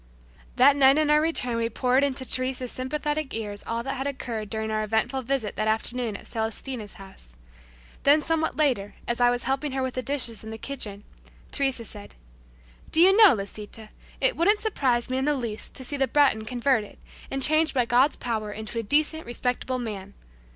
That night on our return we poured into Teresa's sympathetic ears all that had occurred during our eventful visit that afternoon at Celestina's house. Then somewhat later as I was helping her with the dishes in the kitchen, Teresa said, "Do you know, Lisita, it wouldn't surprise me in the least to see the Breton converted and changed by God's power into a decent, respectable man.